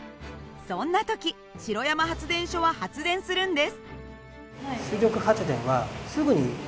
そんな時城山発電所は発電するんです。